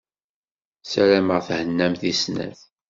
Sarameɣ thennamt i snat.